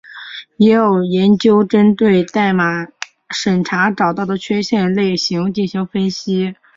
也有研究针对代码审查找到的缺陷类型进行分析。